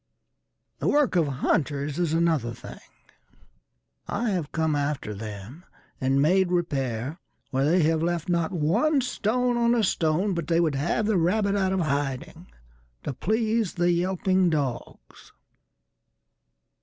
The work of hunters is another thing:I have come after them and made repairWhere they have left not one stone on a stone, But they would have the rabbit out of hiding, To please the yelping dogs.